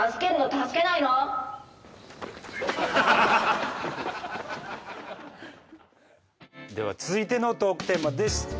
助けないの？では続いてのトークテーマです。